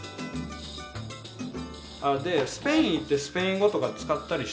でスペイン行ってスペイン語とか使ったりした？